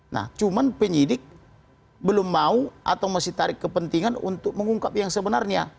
nah cuman penyidik belum mau atau masih tarik kepentingan untuk mengungkap yang sebenarnya